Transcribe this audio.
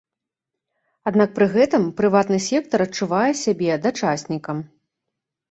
Аднак пры гэтым прыватны сектар адчувае сябе дачаснікам.